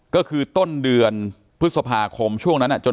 ก็คือต้นเดือนพฤษภาคมช่วงนั้นจน